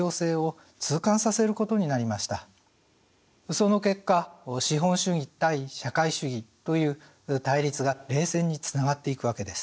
その結果資本主義対社会主義という対立が冷戦につながっていくわけです。